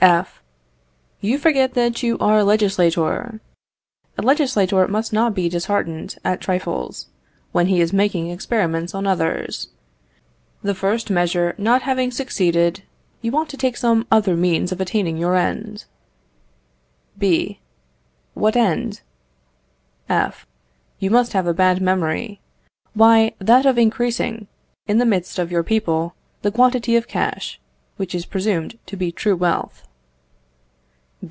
F. You forget that you are a legislator. A legislator must not be disheartened at trifles, when he is making experiments on others. The first measure not having succeeded, you ought to take some other means of attaining your end. B. What end? F. You must have a bad memory. Why, that of increasing, in the midst of your people, the quantity of cash, which is presumed to be true wealth.